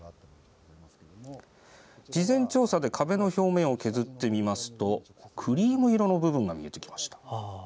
事前調査で壁の表面を削ってみますとクリーム色の部分が見えてきました。